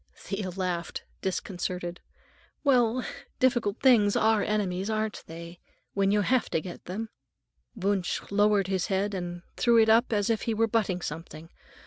Thea laughed, disconcerted. "Well, difficult things are enemies, aren't they? When you have to get them?" Wunsch lowered his head and threw it up as if he were butting something.